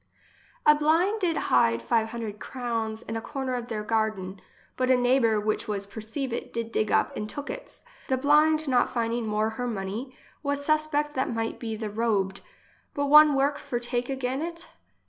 A blind did hide five hundred crowns in a corner of their garden ; but a neighbour, which was perceive it, did dig up and took its. The blind not finding more her money, was suspect that might be the robed, but one work for take again it?